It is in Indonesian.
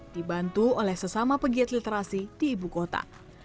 dibantu oleh sesama pegiat literasi di ibu kota